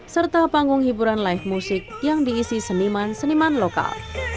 serta panggung hiburan live music yang diisi seniman seniman lokal